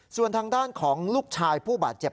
ส่วนทางด้านของลูกชายผู้บาดเจ็บ